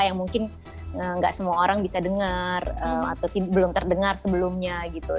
yang mungkin nggak semua orang bisa dengar atau belum terdengar sebelumnya gitu